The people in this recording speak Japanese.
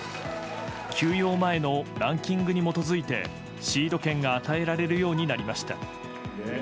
休養前のランキングに基づいてシード権が与えられるようになりました。